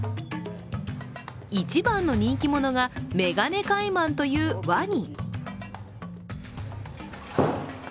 一番の人気者がメガネカイマンというワニ。